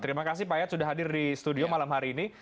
terima kasih pak yayat sudah hadir di studio malam hari ini